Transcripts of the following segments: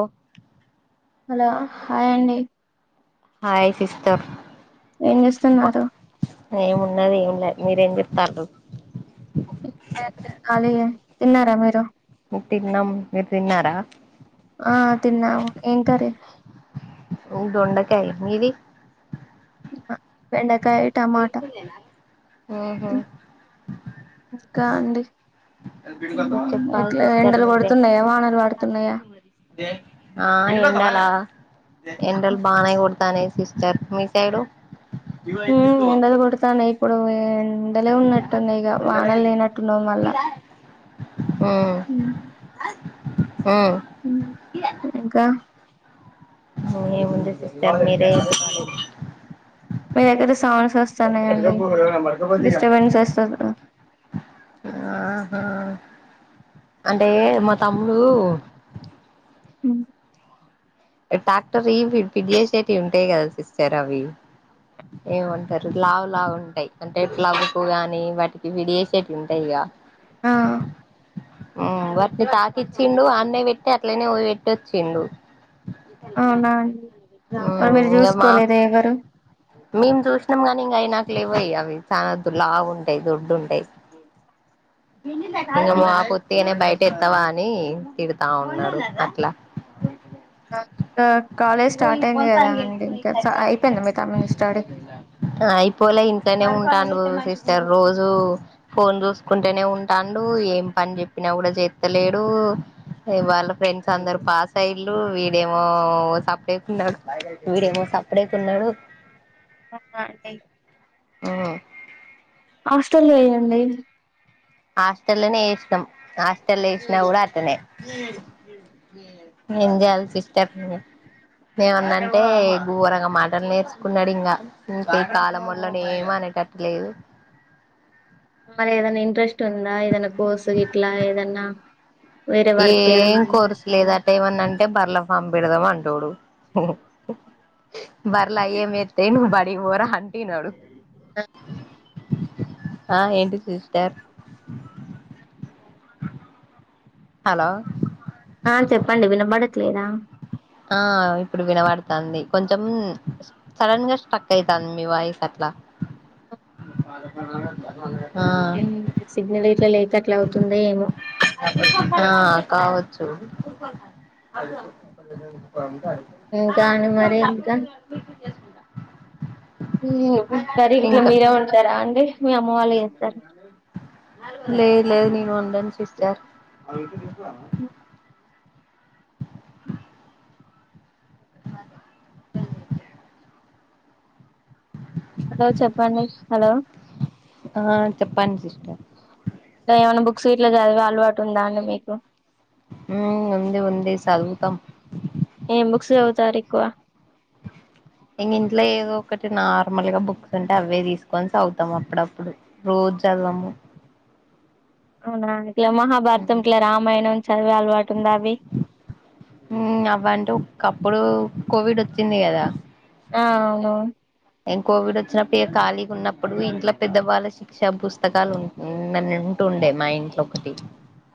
ఓ hello hi అండి hi sister ఏం చేస్తున్నారు ఏం ఉన్నది ఏంలే మీరేం చెత్తంళ్ళు ఏం లేదులే ఖాలీయే తిన్నారా మీరు ముటిన్నం మీరు తిన్నారా ఆ తిన్నాం ఏం కర్రీ ఊ దొండకాయ్ మీది బెండకాయ టమాటా ఉహు ఇంకా అండి ఉమ్మ్ చెప్పాలి ఎట్లా సిస్టర్ ఎండలు మీరే కోడుతున్నాయా వానలు పడుతున్నాయా ఆ ఎండల ఎండలు బానే కొడు తాన్నయ్ సిస్టర్ మీ సైడు ఉమ్మ్ ఎండలు కొడతాన్నాయ్ ఇప్పుడు ఎండలే ఉన్నట్టున్నాయి ఇగ వానలు లేనట్టు ఉన్నయ్ మల్ల ఉమ్మ్ ఉమ్మ్ ఉమ్మ్ ఉమ్మ్ ఇంకా సో ఏముంది సిస్టర్ మీరేయెప్పలి మీ దగ్గర సౌండ్స్ వస్తున్నాయండి డిస్టర్బెన్స్ వస్తది కదా ఆహా అంటే మా తమ్ముడు ఉహ్ ట్రాక్టర్యీ ఫీడ్ ఫిడ్యేషేటియి ఉంటాయి కదా సిస్టర్ అవి ఏమంటారు లావు లావు ఉంటాయి అంటే ప్లవూ గాని వాటికి ఫీడ్యేశెటియి ఉంటాయిగా ఆ వాటిని తాకిచ్చిండు అడ్నే పెట్టి అట్లనే పెట్టోచ్చిండు అవునా అండి మ్మ్ మరి మీరు ఇంగ మా చూసుకోలేదా ఎవరు మేము చూసినాం గానీ ఇంగ అయి నాకు లెవ్వయ్యి అవి చాలా లావుంటాయి దొడ్డు ఉంటాయి ఇంగ మా పుత్తిగానే బయట ఎత్తావా అని తిడతా ఉన్నాడు అట్లా కా కాలేజ్ స్టార్ట్ అయింది కదా అండి ఇంకా అయిపోయింది మీ తమ్ముని స్టడీ అయిపోలే ఇంట్లనే ఉంటండు సిస్టర్ రోజూ ఫోన్ చూసుకుంటేనే ఉంటాండు ఏం పని చెప్పినా కూడా చేత్తలేడు వాళ్ళ ఫ్రెండ్స్ అందరు పాసయిళ్లు వీడేమో సప్ లేకున్నాడు వీడేమో సప్పుడేకున్నాడు ఆ అంటే మ్మ్ హాస్టలెయ్యండి హాస్టల్నే ఎసినం హాస్టల్లేసిన కూడా అట్లనే ఎంజేయాలే సిస్టర్ ఏమన్నంటే గోరంగ మాటలు నేర్చుకున్నాడు ఇంకా ఇంకా ఈ కలామొల్లని ఏం అనేటట్టులేదు మరి ఏదైన్నా ఇంట్రెస్ట్ ఉందా ఏదన్నా కోర్సు గిట్లా ఏదన్నా వేరే వార్కి ఎద లేదంటే ఏమన్నాంటే బార్ల ఫామ్ పెడదాం అంటుండు బర్ల అయ్యే మెత్తాయ్యా నువ్ బడికివోర అంటే ఇనడు ఆ ఎంటిది సిస్టర్ రికార్డింగ్ హలో ఆ చెప్పండి వినబడట్లేదా ఆ ఇప్పుడు వినబడతంది కొంచెం సడన్గా స్ట్రక్ అయితందీ మీ వాయిస్ అట్లా ఆ ఎన్ సిగ్నల్ ఇట్లా లేకా అట్లా అవుతుందో ఏమో ఆ కావోచ్చు ఇంకా అండి మరి ఇంకా కరీగిట్లా ఇంకా మీరే ఒండుతారా అండి మీ అమ్మ వాళ్ళు చేస్తారా లేదు లేదు నేన్ ఓన్ డన్ సిస్టర్ మరి హలో చెప్పండి హలో ఆ చెప్పండి సిస్టర్ ఏమైన్నా బుక్స్ గిట్లా చదివే అలవాటు ఉందా అండి మీకు ఉ ఉంది ఉంది సదువుతాం ఏం బుక్స్ చదువుతారు ఎక్కువ ఇంగ ఇంట్ల ఏదో ఒకటి నార్మల్ గా బుక్స్ ఉంటే అవే తీసుకొని చదువుతాం అప్పుడప్పుడు రోజు చదవము అవునా ఇట్లా మహాభారతం ఇట్లా రామాయణం చదివె అలవాటు ఉందా అవి ఊ అవంటే ఒకప్పుడు కోవిడ్ వచ్చింది కదా ఆ ఆవును నేన్ కోవిడ్ వచ్చినప్పుడు ఇక ఖాలిగా ఉన్నప్పుడు ఇంట్ల పెద్దవాళ్లు క్ష పుస్తకాలు ఉ ఉంటుండే మా ఇంట్లో ఒకటి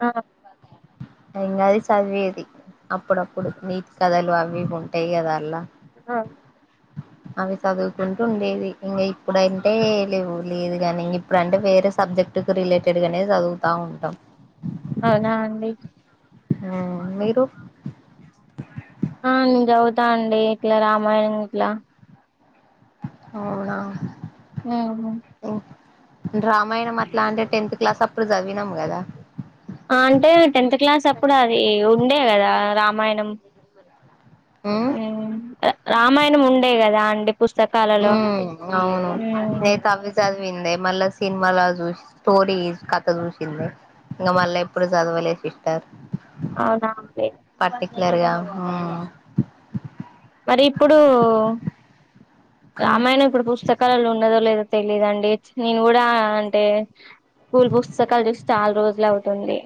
ఆ బాక ఇంకా అది చదివేది అప్పుడప్పుడు నీతి కథలు అవి ఇవి ఉంటాయి కదా అల్లా ఆ అవి చదువుకుంటూ ఉండేది ఇంక ఇప్పుడంటే లేవు లేదు కానీ ఇంగ ఇప్పుడుంటే వేరే సబ్జెక్ట్ కు రిలేటెడ్ గానే చదువుతా ఉంటాం అవునా అండి ఉం మీరు ఆ నేను చదువుతా అండి ఇట్లా రామాయణం ఇట్లా అవునా ఊహు డ్రామాయనం అట్లా అంటే టెన్త్ క్లాస్ అప్పుడు చదివినాం కదా అంటే టెన్త్ క్లాస్ అప్పుడు అది ఉండే కదా రామాయణం ఉమ్ ఉం రామాయణం ఉండే కదా అండి పుస్తకాలలో ఉమ్ అవును ఉం నేనైతే అవి చదివిందే మళ్ళా సినిమాల చూసి స్టోరీ కథ చూసిందే ఇంకా మళ్ళా ఎప్పుడు చదవలే సిస్టర్ అవునా పర్టిక్లర్గా ఉం ఒ మరి ఇప్పుడు రామాయణం ఇప్పుడు పుస్తకం కాలలో ఉన్నదో లేదో తెలిదండి నేను కూడా అంటే స్కూల్ పుస్తకాలు చూసి చాలా రోజులు అవుతుంది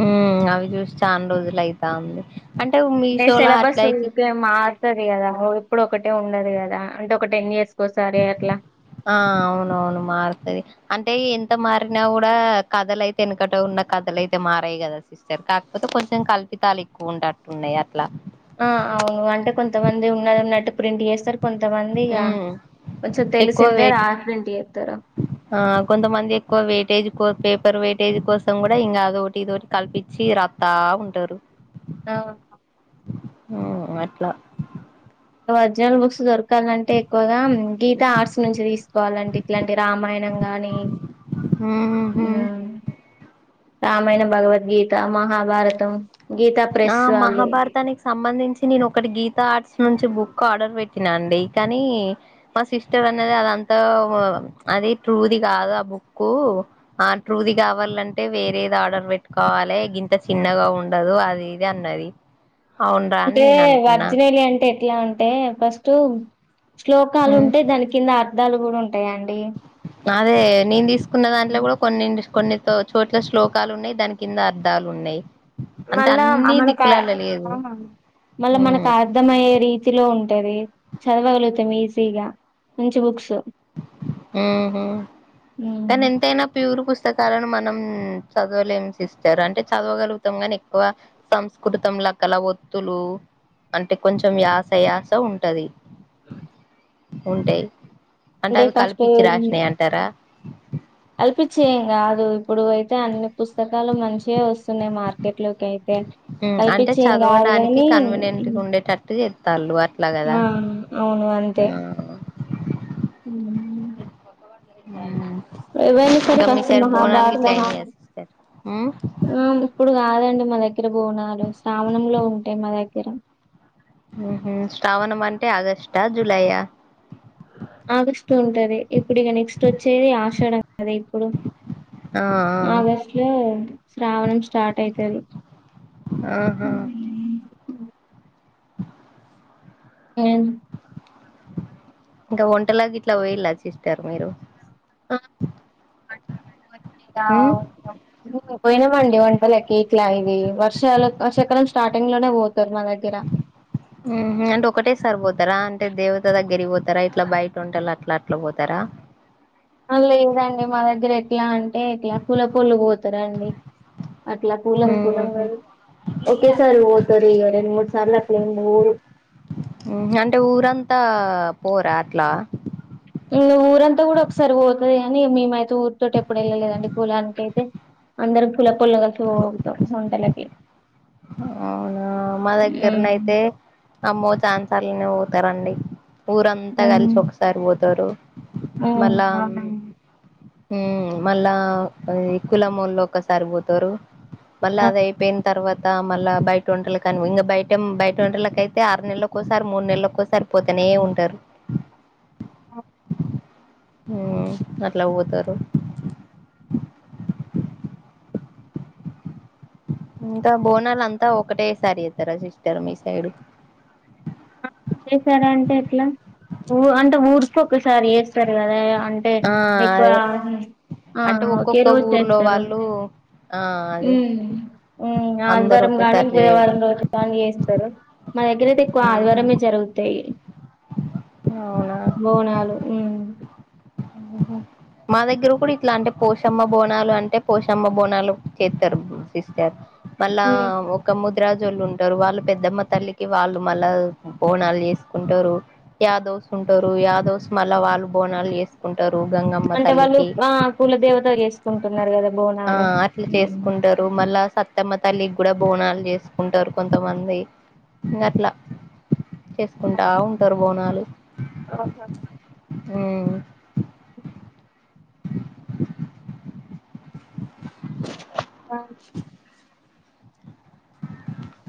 ఉం అవి చూసి చానా రోజులు అయితాంది అంటే మీషోల సిలబస్ అట్లయితి ఊకే మారుతది కదా ఒ ఎప్పుడు ఒకటే ఉండదు కదా అంటే ఒక టెన్ ఇయర్స్కిసారి అట్లా ఆ అవునవును మార్తది అంటే ఎంత మారినా కూడా కథలయితే వెనుకట ఉన్న కథలు అయితే మారాయి కదా సి స్తారు కాకపోతే కొంచెం కల్పితాలు ఎక్కువ ఉండట్టు ఉన్నాయి అట్లా ఆ అవును అంటే కొంతమంది ఉన్నది ఉన్నట్టు ప్రింట్ చేస్తారు కొంతమంది ఇగ ఉమ్ కొచ్చం ఎక్కువ తెలిసిందే వెయిట్ [unintelligible] చేస్తార ఆ కొంతమంది ఎక్కువ వెయిటేజ్ కో పేపర్ వెయిటేజ్ కోసం కూడా ఇంకా అదొటి ఇదిటి కల్పించి రా తా ఉంటారు ఆ ఊ అట్లా గ ఒరిజినల్ బుక్స్ దొర్ క్కాలంటే ఎక్కువగా గీత ఆర్ట్స్ నుంచి తీసుకోవాలండి ఇట్లాంటి రామాయణం గాని ఉహు ఉమ్, రామాయణ, భగవద్గీత, మహాభారతం, గీతప్ ఆ మహాభారతానికి సంబంధించి నేను ఒకటి గీతా ఆర్ట్స్ నుంచి బుక్ ఆర్డర్ పెట్ తినండి కానీ మా సిస్టర్ అనేది అదంతా అది ట్రూది కాదు ఆ బుక్ ఆ ట్రూది కావాలంటే వేరేది ఆర్డర్ పెట్టుకోవాలి గింతా చిన్నగా ఉండదు అది ఇది అన్నది అవునరా అని అంటే నేను అనుకున్నా వర్జినలి అంటే ఎట్లా ఉంటాయి ఫస్ట్ శ్లోకాలు మ్మ్ ఉంటాయి దాని కింద అర్థాలు కూడా ఉంటాయా అండి అదే నేను తీసుకున్న దాంట్ల కూడా కొన్నిం కొన్ని చోట్ల శ్లోకాలు ఉన్నాయి దాని కింద అర్ధాలు ఉన్నాయి్ మళ్ళా మనకి ఆ మళ్ళ మనకు ఉమ్ అ ర్థమయ్యే రీతిలో ఉంటుది చదవగలుగుతాం ఈజీగా మంచి బుక్స్ ఉహూ తనీ ఎంతైనా ప్యూర్ పుస్తకాలను మనం చదవలేం సిస్టర్ అంటే చదవగలుగుతాం ని ఎక్కువ సంస్కృతం ల కల ఒత్తులు అంటే కొంచెం యాస యాస ఉంటది ఉంటాయి్ అంటే అవి కలిపించి రాసినాయి అంటారా కల్పిచ్చే ఏం కాదు ఇప్పుడు అయితే అన్ని పుస్తకాలు మంచిే వస్తాయి న్నా మార్కెట్ లోకి అయితే ఉమ్ అంటే కాల్పించిం కాదు చదవడానికి గానీ కన్వీనియంట్ గా ఉండేటట్టు చెత్తాళ్ళు అట్లా కదా ఆ అవును అంతే ఆ ఉ ఆ ఏవైనా సరే కాస్త మహాభారతం అయినయా సిస్టర్ ఆ ఇప్పుడు కాదండి మా దగ్గర బోనాలు శ్రావణంలో ఉంటాయి మా దగ్గర ఉహూ శ్రావణం అంటే ఆగస్టా జులైయా ఆగిస్తూ ఉంటది ఇప్పుడు ఇక నెక్స్ట్ వచ్చేది ఆశడం అది ఇప్పుడు ఆ ఆ ఆగస్టు లో శ్రావణం స్టార్ట్ అయితది ఆహ హ్మ్ ఏ [unintelligible] ఇంకా వంటలాగా ఇట్లా వే్యలాచ్చిస్తారు మీరు ఉమ్ [unintelligible] పోయినామండి వంటల ఎకి ఇట్లా ఇది వర్షాలు వర్షకరం స్టార్టింగ్ లోనే పోతారు మా దగ్గర అంటే ఒకటే సారి పోతారా అంటే దేవత దగ్గరి పోతారా ఇట్లా బయట ఉంటాల అట్లా అట్లా పోతారా లేదండి మా దగ్గర ఎట్లా అంటే ఎట్లా కుల పొళు పోతారుండి అట్లా కూలం కూలం ఉహు కలస్ ఒకేసారి పొతరిగా రెండు మూడు సార్లు ఏం అట్లారు అంటే ఊరంతా పోరా అట్లా ఊరంతా కూడా ఒకసారి పోతుంది నీ మేమైతే ఊరితోో ఎప్పుడు వెళ్ళలేదండి కులానికి అైతే అందరం కులపొలం కలిసి పోతావు వంటలకి అవును మా దగ్గరనైతే అమ్మో ఛాన్సాలనే పోతారంండి ఊరంతా కలిసి ఒకసారి పోతారు ఉ మళ్ళా అవునండి హు మళ్ళా అది కులమళ ఒక్కసారి పోతారు వళ్ళ అది అయిపోయిన తర్వాత్ మళ్ళా బయట వంట కాని ఇంకా బయట బయట వంటలకుక అయితే ఆరు నెల ఒకసారి మూడు నెలలకు ఒకసారి పోతనే ఉంటారు ఉ అట్లా పోతారు ఇంకా బోనాలు అంతా ఒకటే సారి చేస్తారా సిస్టర్ మీ సైడ్ చేసారా అంటే ఎట్లా ఊ అంటే ఊరికి ఒకసారి చేస్తారు కదా అన్ టే ఆ ఎక్కువ అదే ఆ అంటే ఒకే ఒక్కొక్క రోజు ఊర్లో చేస్తారు వాళ్ళు ఆ ఉ అదే ఉ అందరు ఆదివారం గానీ ఒకేసారి చేయరు బుధవారం రోజు గానీ చేస్తారు మా దగ్గర అయితే ఎక్కువ ఆదివారమే జరుగుతాయి అ బోనాలు ఉ ఉహు మా దగ్గర కూడా ఇట్లా అంటే పోషమ్మ బోనాలు అంటే పోషమ్మ బోనాలు చేత్తరు సిస్టర్ మళ్ళా ఉమ్ ఒ క్క ముద్రాజోళ్ళు ఉంటారు వాళ్ళు పెద్దమ్మ తల్లికి వాళ్ళు మళ్ళా బోనాలు చేసుకుంటారు యాదోస్ ఉంటారు యాదోస్ మళ్ళా వాళ్ళు బోనాలు చేసుకుంటారు గంగమ్ అంటే వాళ్ళు ఆ కుల దేవతకి చేసుకుంటున్నారు కదా బోనాలు ఉ టు మళ్ళా సత్యమ్మ తల్లికి కూడా బోనాలు చేసుకుంటారు కొంతమంది ఇంకా అట్లా చేసుకుంటా ఉంటారు బోనాలు అహా ఉ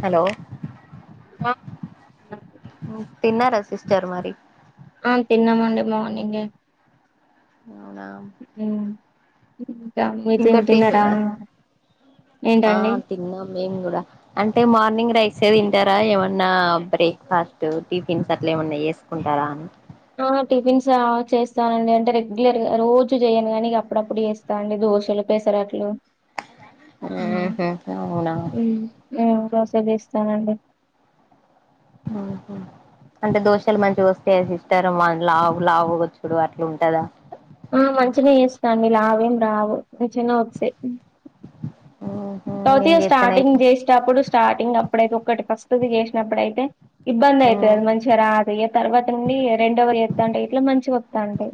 హలో ఆ తిన్న రస్ సిస్టర్ మరి ఆ తిన్నామండి మార్నింగే అవునా ఉ ఇంకా ఇంకా మధ్యానం టిఫ్ తిన్నారా ఆ ఏంటండి తిన్నాం మేము కూడా అంటే మార్నింగ్ రైసే తింటారా ఏమన్నా బ్రేక్ఫాస్ట్ టిఫిన్స్ అట్లా ఏమన్నా చేస్ కుంటారా అని ఆ టిఫిన్సే ఆ చేస్తానండి అంటే రెగ్యులర్గా రోజు చేయను గానీ ఇక అప్పుడప్పుడు చేస్ దాన్ని దోషలు పెసరట్లు ఉ ఆహా అవునా ఉ మేము దోష వేస్తానండి ఉహు అంటే దోషలు మంచిగా వస్తాయా సిస్టర్ లావు లావు వచ్చుడు అట్లా ఉంటదా ఆ మంచిగా చేస్తాండి లావేం రావు మంచినే వస్తాయి ఆహా నేను తౌతిగా చేత్తనైతే స్టార్టింగ్ చేసేటప్పుడు స్టార్టింగ్ అప్పుడైతే ఒకటి ఫస్ట్ ది చేసినప్పుడయితే ఇబ్బంది అవుతది మంచిగా రాదు య తర్వాత నుండి రెండవర్ చెత్తంటే ఇట్లా మంచిగా వత్తంటాయి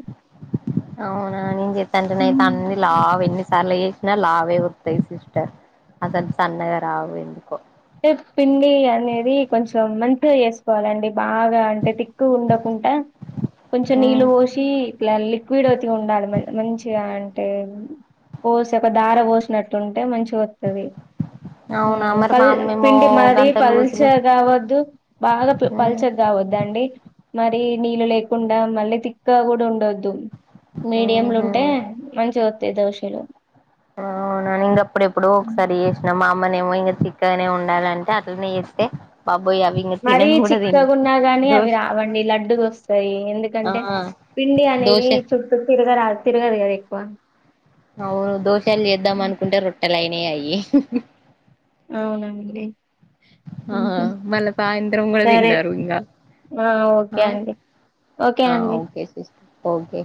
అవునా నేను చెత్తంటేనా అన్ని లావు ఎన్నిసార్లు చేసినా లావే వత్తయి సిస్టర్ అసలు సన్నగా రావు ఎందుకో ఏ పిండి అనేది కొంచెం మెంతుగా చేసుకోవాలండి బాగా అంటే తిక్కువ ఉండకుండా కొంచెం నీళ్ళు పోసి ఇట్లా లిక్విడ్ ఒత్తుగా ఉండాలి మంచిగా అంటే పోసి ఒక దార పోసినట్టుంటే మంచిగా వత్తది అవునా మేడ అది పిండి మరీ పల్చ గావద్దు బాగా పల్చ కరావద్దండి మరి నీళ్ళు లేకుండా మళ్ళీ తిక్క కూడా ఉండొద్దు మీడియం లుంటే ఆహా మంచి వొత్తయి దోశెలు ఆ అవునా ఇంగ అప్పుడెప్పుడు ఒకసారి చేసినా మా అమ్మనేమో ఇంకా తిక్కగానే ఉండాలంటే అట్లనే చేస్తే బాబ్బోయ్ అవి ఇంక మరీ తినను కూడా తినలే చిక్కగున్నా గానీ దోశ అవి రావండి లడ్డుదొస్తాయి ఆ ఎందుకంటే పిండి అనేది దోశ చుట్టూ తిరగరా తిరగదు కదా ఎక్కువ అవును దోశెలు చేద్దాం అనుకుంటే రొట్టెలయినయి అయ్యి అవునండి ఆ ఉహు. మళ్ళా సాయంత్రం కూడా సరే తిన్నారు ఇంగ ఆ ఓకే ఆ అండి ఓకే అండి ఓకే ఓకే